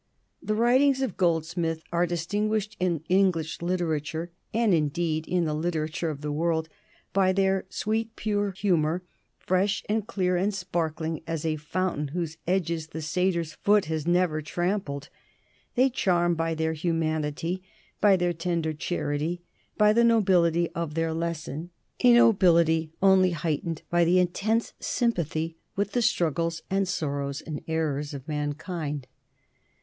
The writings of Goldsmith are distinguished in English literature, and, indeed, in the literature of the world, by their sweet pure humor, fresh and clear and sparkling as a fountain whose edges the satyr's hoof has never trampled. They charm by their humanity, by their tender charity, by the nobility of their lesson, a nobility only heightened by the intense sympathy with the struggles, and sorrows, and errors of mankind.